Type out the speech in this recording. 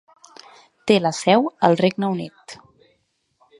Té la seu al Regne Unit.